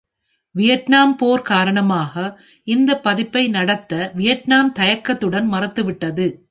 Vietnam போர் காரணமாக இந்தப் பதிப்பை நடத்த வியட்நாம் தயக்கத்துடன் மறுத்துவிட்டது.